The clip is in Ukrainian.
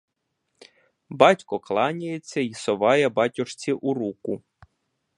Батько кланяється й соває батюшці у руку.